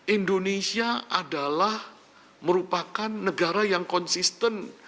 indonesia adalah merupakan negara yang konsisten